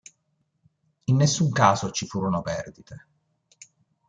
In nessun caso ci furono perdite.